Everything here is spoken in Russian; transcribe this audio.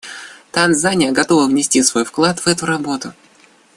Танзания готова внести свой вклад в эту работу.